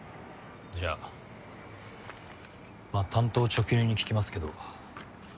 じゃあまあ単刀直入に聞きますけど。